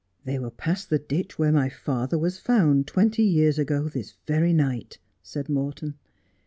' They will pass the ditch where my father was found twenty years ago this very night,' said Morton.